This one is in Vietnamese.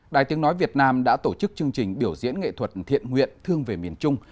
đài tiếng nói việt nam đã tổ chức chương trình biểu diễn nghệ thuật thiện nguyện thương về miền trung